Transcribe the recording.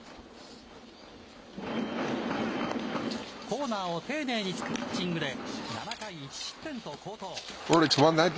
コーナーを丁寧に突くピッチングで、７回１失点と好投。